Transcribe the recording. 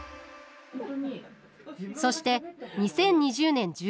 そして２０２０年１０月。